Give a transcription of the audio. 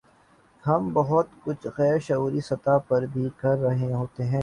ہم بہت کچھ غیر شعوری سطح پر بھی کر رہے ہوتے ہیں۔